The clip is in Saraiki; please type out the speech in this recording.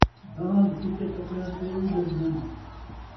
دان٘گ چٹے کپڑیاں تے ای لڳدن